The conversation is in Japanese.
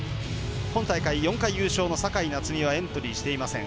今大会４回優勝の酒井夏海はエントリーしていません。